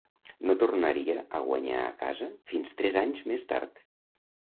No tornaria a guanyar a casa fins tres anys més tard.